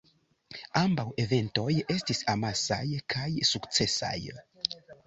Ambaŭ eventoj estis amasaj kaj sukcesaj.